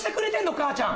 母ちゃん。